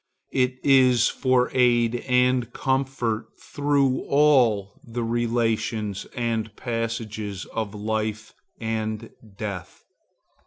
It is for aid and comfort through all the relations and passages of life and death.